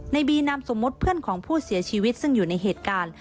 ในบีนามสมมุติเพื่อนของผู้เสียชีวิตซึ่งอยู่ในเหตุการณ์